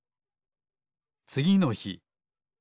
つぎのひ。